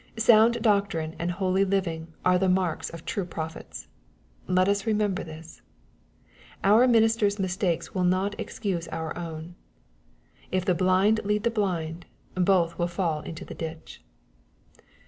'' Sound doctrine and holy living are the marks of true prophets.— Let us remei^ this. Our minister's mistakes will not excuse our own. " If the blind lead the blind, both will fall into the ditch."